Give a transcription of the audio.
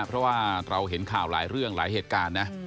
เพราะว่าเราเห็นข่าวหลายเรื่องหลายเหตุการณ์นะ